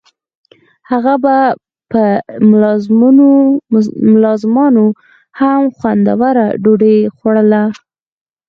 هغه به په ملازمانو هم خوندوره ډوډۍ خوړوله.